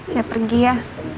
saya pergi ya